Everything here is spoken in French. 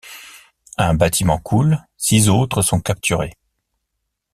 Un bâtiment coule, six autres sont capturés.